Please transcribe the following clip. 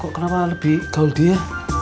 kok kenapa lebih tau dia